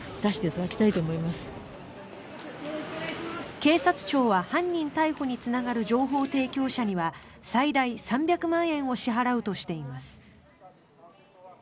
警察庁は、犯人逮捕につながる情報提供者には最大３００万円を支払うとしています。